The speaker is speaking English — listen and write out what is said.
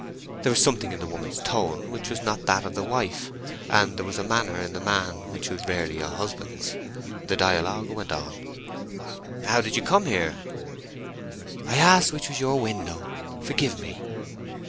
There was something in the woman's tone which is not that of the wife, and there was a manner in the man which is rarely a husband's. The dialogue went on: "How did you come here?" "I asked which was your window. Forgive me!"